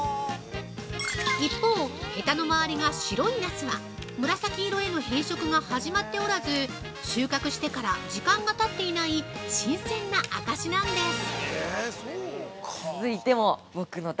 一方、ヘタの周りが白いナスは紫色への変色が始まっておらず収穫してから時間が経っていない新鮮な証なんです。